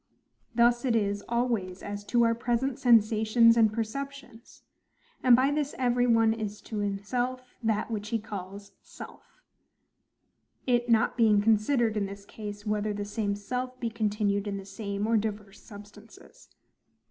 Thus it is always as to our present sensations and perceptions: and by this every one is to himself that which he calls SELF:—it not being considered, in this case, whether the same self be continued in the same or divers substances.